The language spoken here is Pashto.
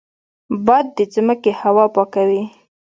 باد د ځمکې هوا پاکوي